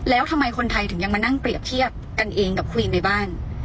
แล้วทำไมคนไทยถึงยังมานั่งเปรียบเทียบกันเองกับควีนในบ้าน